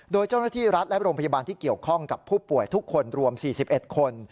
โดยเจ้าหน้าที่รัฐและโรงพยาบาลที่เกี่ยวข้องกับผู้ป่วยทุกคนรวม๔๑คน